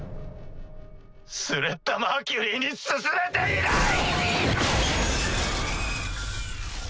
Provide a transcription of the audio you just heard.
スレッタ・マーキュリーに進めていない！